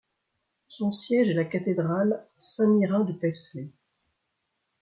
Son siège est la cathédrale Saint-Mirin de Paisley.